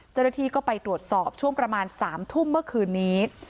เจ้าหน้าที่ก็ไปตรวจสอบช่วงประมาณ๓ทุ่มเมื่อคืนนี้